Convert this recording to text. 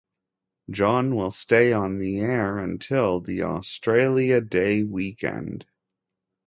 John will stay on the air until the Australia Day weekend.